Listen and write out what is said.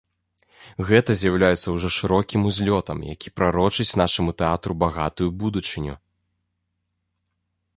Гэта з'яўляецца ўжо шырокім узлётам, які прарочыць нашаму тэатру багатую будучыню.